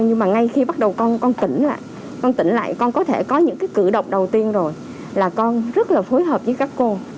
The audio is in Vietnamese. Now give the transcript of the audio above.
nhưng mà ngay khi bắt đầu con tỉnh lại con có thể có những cái cử động đầu tiên rồi là con rất là phối hợp với các cô